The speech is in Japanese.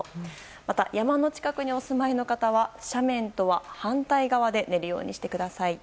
また山の近くにお住まいの方は斜面とは反対側で寝るようにしてください。